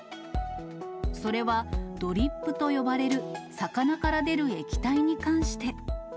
それは、ドリップと呼ばれる魚から出る液体に関して。